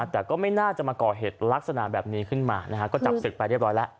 แต่ก็ไม่น่าจะมาก่อเหตุลักษณะแบบนี้ขึ้นมานะฮะก็จับศึกไปเรียบร้อยแล้ว